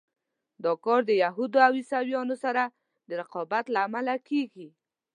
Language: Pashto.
دا کار د یهودو او عیسویانو سره د رقابت له امله کېږي.